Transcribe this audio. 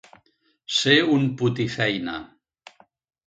Ser un putifeina.